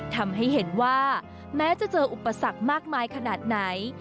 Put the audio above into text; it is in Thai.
ทำให้เห็นว่าแม้จะเจออุปสรรคมากมายขนาดไหน